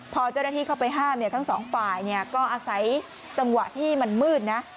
พอเจ้าหน้าที่เข้าไปห้ามทั้งสองฝ่ายก็อาศัยจังหวะที่มันมืดนะ